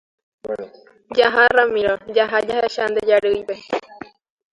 Jaha Ramiro, jaha jahecha nde jarýipe.